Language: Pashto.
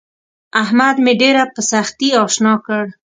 احمد مې ډېره په سختي اشنا کړ.